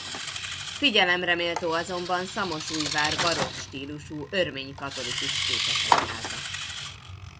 Figyelemre méltó azonban Szamosújvár barokk stílusú örmény-katolikus székesegyháza.